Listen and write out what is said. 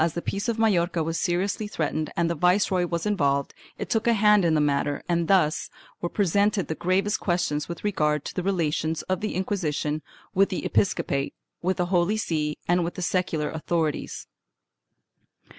IV] THE SPIRITUAL COURTS 501 as the peace of Majorca was seriously threatened and the viceroy was involved, it took a hand in the matter and thus were pre sented the gravest questions with regard to the relations of the Inquisition with the episcopate, with the Holy See, and with the secular authorities.